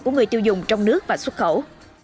của người tiêu dùng trong nước và xuất khẩu